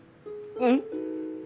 うん。